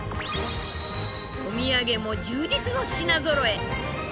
お土産も充実の品ぞろえ。